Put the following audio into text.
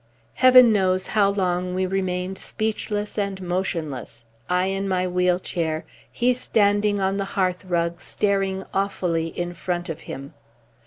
Heaven knows how long we remained speechless and motionless I in my wheel chair, he standing on the hearthrug staring awfully in front of him.